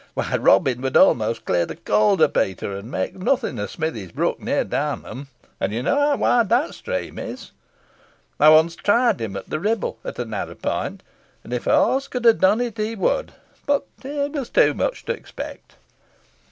Why, Robin would almost clear the Calder, Peter, and makes nothing of Smithies Brook, near Downham, and you know how wide that stream is. I once tried him at the Ribble, at a narrow point, and if horse could have done it, he would but it was too much to expect."